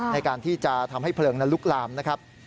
ในการที่จะทำให้เพลิงนั้นลุกลามนะครับ